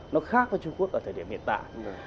nó khác với trung quốc ở thời điểm hiện tại